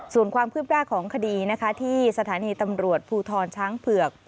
ส่วนความคืบหน้าของคดีนะคะที่สถานีตำรวจภูทรช้างเผือก